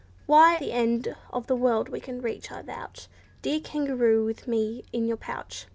Why, the end of the world we can reach, I vouch, Dear kangaroo, with me in your pouch."